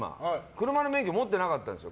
車の免許持ってなかったんですよ。